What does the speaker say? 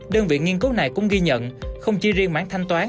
đơn vị nghiên cứu này cũng ghi nhận không chỉ riêng mảng thanh toán